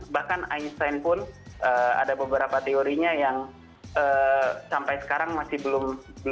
bahkan icent pun ada beberapa teorinya yang sampai sekarang masih belum